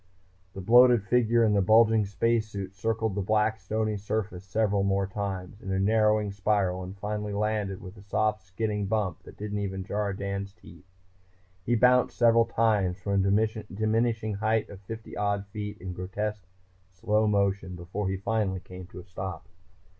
The bloated figure in the bulging space suit circled the black stony surface several more times, in a narrowing spiral, and finally landed with a soft skidding bump that didn't even jar Dan's teeth. He bounced several times from a diminishing height of fifty odd feet in grotesque slow motion before he finally came to a stop.